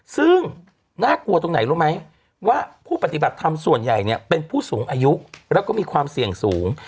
ซึ่งน่ากลัวตรงไหนรู้ไหมว่าผู้ปฏิบัติธรรมส่วนใหญ่เนี่ยเป็นผู้สูงอายุแล้วก็มีความเสี่ยงสูง